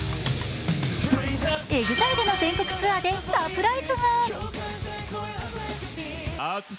ＥＸＩＬＥの全国ツアーでサプライズが。